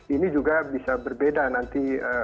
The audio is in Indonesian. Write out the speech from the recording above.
ini juga bisa berbeda nanti